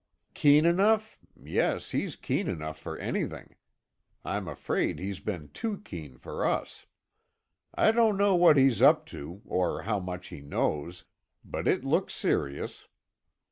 "Keen enough? Yes, he's keen enough for anything. I'm afraid he's been too keen for us. I don't know what he's up to, or how much he knows, but it looks serious.